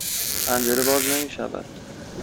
پنجره باز نمی شود.